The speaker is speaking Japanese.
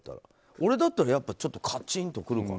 俺だったら、やっぱりちょっとカチンとくるかな。